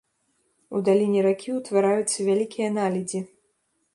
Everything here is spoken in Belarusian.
У даліне ракі ўтвараюцца вялікія наледзі.